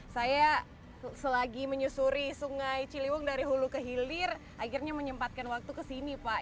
saya selagi menyusuri sungai ciliwung dari hulu ke hilir akhirnya menyempatkan waktu kesini pak